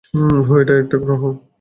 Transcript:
হু, এটা একটা গ্রহ।